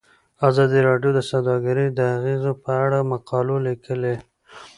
ازادي راډیو د سوداګري د اغیزو په اړه مقالو لیکلي.